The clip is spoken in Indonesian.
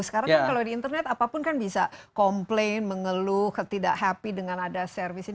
sekarang kan kalau di internet apapun kan bisa komplain mengeluh tidak happy dengan ada servis ini